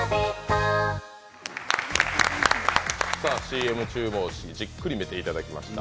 ＣＭ中もじっくり見ていただきました。